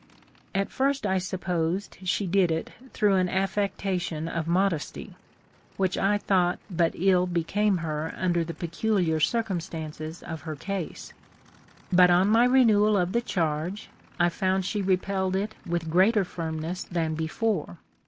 At first I supposed she did it through an affectation of modesty, which I thought but ill became her under the peculiar circumstances of her case ; but on my renewal of the charge, I found she repelled it with greater firmness than before.